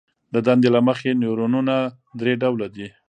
د دندې له مخې نیورونونه درې ډوله دي.